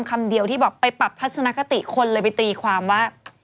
คำเดียวที่บอกไปปรับทัศนคติคนเลยไปตีความว่า